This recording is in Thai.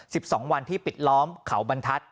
สิบสองวันที่ปิดล้อมเขาบรรทัศน